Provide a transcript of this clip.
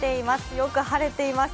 よく晴れています。